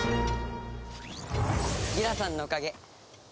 ギラさんのおかげ。